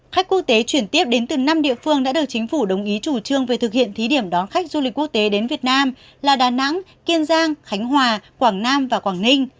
khách quốc tế chuyển tiếp đến từ năm địa phương đã được chính phủ đồng ý chủ trương về thực hiện thí điểm đón khách du lịch quốc tế đến việt nam là đà nẵng kiên giang khánh hòa quảng nam và quảng ninh